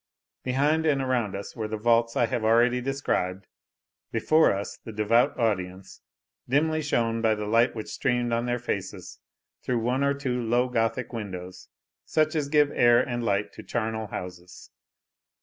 Behind and around us were the vaults I have already described; before us the devout audience, dimly shown by the light which streamed on their faces through one or two low Gothic windows, such as give air and light to charnel houses.